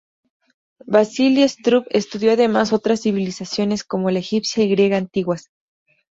Vasili Struve estudió además otras civilizaciones como la egipcia y griega antiguas.